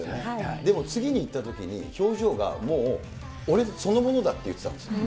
でも次にいったときに、表情がもう、俺そのものだって言ってたんですよ。